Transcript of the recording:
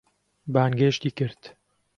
بانگێشتی کرد.